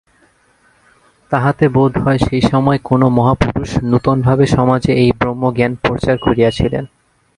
তাহাতে বোধ হয়, সেই সময় কোন মহাপুরুষ নূতনভাবে সমাজে এই ব্রহ্মজ্ঞান প্রচার করিয়াছিলেন।